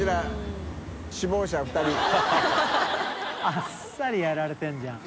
あっさりやられてんじゃん。